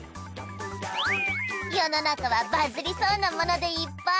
世の中はバズりそうなものでいっぱい！